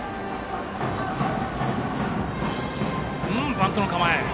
バントの構え。